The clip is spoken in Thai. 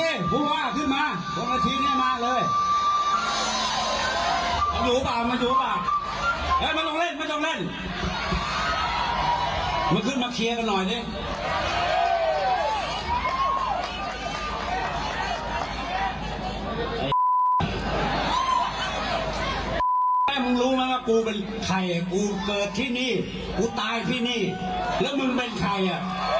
มึงรู้ไหมว่ากูเป็นใครกูเกิดที่นี่กูตายที่นี่แล้วมึงเป็นใครอ่ะ